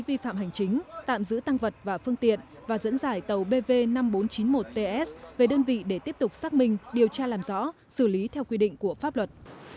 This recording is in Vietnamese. vi phạm hành chính tạm giữ tăng vật và phương tiện và dẫn dải tàu bv năm nghìn bốn trăm chín mươi một ts về đơn vị để tiếp tục xác minh điều tra làm rõ xử lý theo quy định của pháp luật